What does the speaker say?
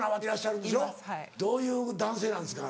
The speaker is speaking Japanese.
どういう男性なんですか？